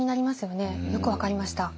よく分かりました。